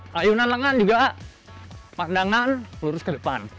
kayunan lengan juga pandangan lurus ke depan